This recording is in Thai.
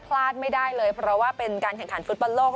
พลาดไม่ได้เลยเพราะว่าเป็นการแข่งขันฟุตบอลโลก